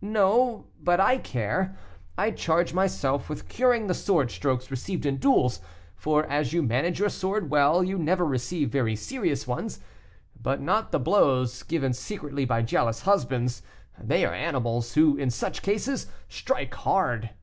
"No; but I care. I charge myself with curing the sword strokes received in duels, for, as you manage your sword well, you never receive very serious ones; but not the blows given secretly by jealous husbands; they are animals, who, in such cases, strike hard."